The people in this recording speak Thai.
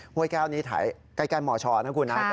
ห้วยแก้วนี้ถ่ายใกล้หม่อชนะครับคุณอัง